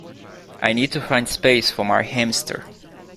I need to find space for my hamster